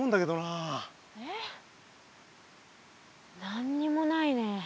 何にもないね。